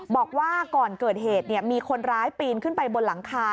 บอกว่าก่อนเกิดเหตุมีคนร้ายปีนขึ้นไปบนหลังคา